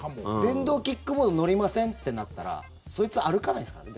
電動キックボード乗りませんってなったらそいつ歩かないですからね。